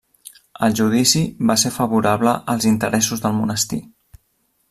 El judici va ser favorable als interessos del monestir.